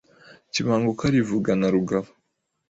Kibanguka arivuga na Rugabo